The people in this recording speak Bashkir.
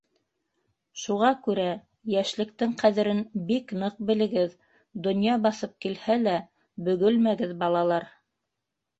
Шуға күрә йәшлектең ҡәҙерен бик ныҡ белегеҙ, донъя баҫып килһә лә, бөгөлмәгеҙ, балалар.